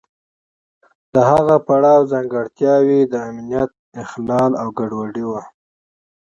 د هغه پړاو ځانګړتیاوې د امنیت اخلال او ګډوډي وه.